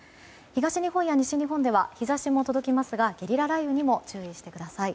東日本や西日本では日差しも届きますがゲリラ雷雨にも注意してください。